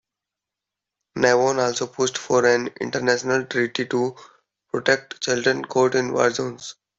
Navon also pushed for an international treaty to protect children caught in war zones.